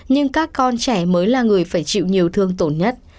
nhưng các con trẻ mới là người phải chịu nhiều thương tổn nhất